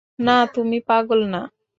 না, তুমি পাগল না।